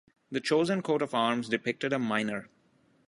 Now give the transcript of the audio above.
The chosen coat of arms depicted a miner.